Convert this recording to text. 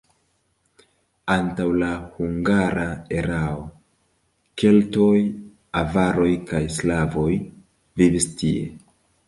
Antaŭ la hungara erao keltoj, avaroj kaj slavoj vivis tie.